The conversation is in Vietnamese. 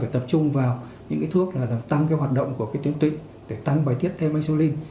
phải tập trung vào những cái thuốc là tăng cái hoạt động của cái tuyến tụy để tăng bài tiết thêm insulin